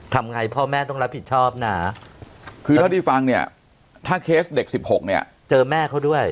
ทำไงพ่อแม่ต้องรับผิดชอบนะคือเท่าที่ฟังเนี่ยถ้าเคสเด็ก๑๖เนี่ยเจอแม่เขาด้วย